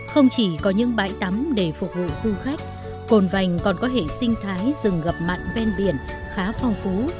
không chỉ có những bãi tắm để phục vụ du khách cồn vành còn có hệ sinh thái rừng ngập mặn ven biển khá phong phú